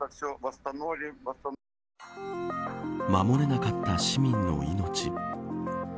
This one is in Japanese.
守れなかった市民の命。